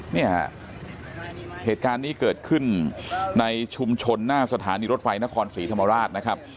เนี่ยฮะเหตุการณ์นี้เกิดขึ้นในชุมชนหน้าสถานีรถไฟนครศรีธรรมราชนะครับ